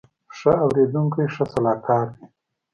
ښه اورېدونکی ښه سلاکار وي